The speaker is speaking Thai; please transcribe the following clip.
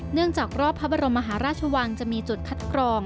จากรอบพระบรมมหาราชวังจะมีจุดคัดกรอง